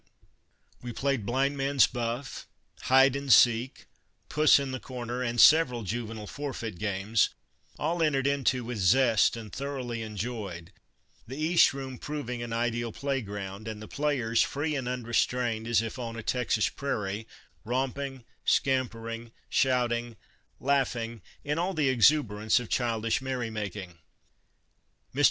38 m the White House In Old Hickory's Dav We played " Blind Man's Buff," " Hide and Seek," " Puss in the Corner," and several juvenile forfeit games, all entered into with zest and thor oughly enjoyed, the East Room proving an ideal play ground, and the players, free and unrestrained as if on a Texas prairie, romping, scampering, shout ing, laughing, in all the exuberance of childish merry making. Mr.